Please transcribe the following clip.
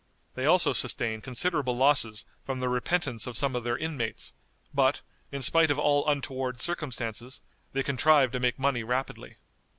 They also sustain considerable losses from the repentance of some of their inmates; but, in spite of all untoward circumstances, they contrive to make money rapidly.